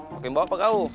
bagi bawa apa kau